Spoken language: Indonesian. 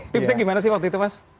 tipsnya gimana sih waktu itu mas